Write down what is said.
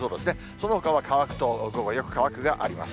そのほかは乾くと、午後よく乾くがあります。